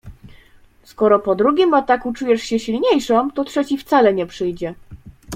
Skoro po drugim ataku czujesz się silniejszą, to trzeci wcale nie przyjdzie.